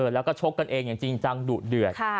แล้วก็ชกกันเองอย่างจริงจังดุเดือด